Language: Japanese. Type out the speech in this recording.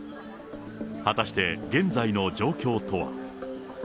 果たして現在の状況とは。